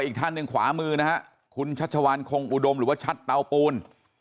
อีกท่านหนึ่งขวามือนะฮะคุณชัชวานคงอุดมหรือว่าชัดเตาปูน